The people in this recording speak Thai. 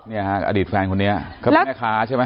เนี่ยฮะอดีตแฟนคนนี้เขาเป็นแม่ค้าใช่ไหม